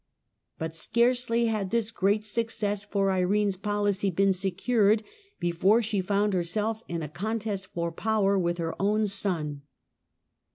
But scarcely had this great success for Irene's policy Irene. |>een secured before she found herself involved in a con test for power with her own son.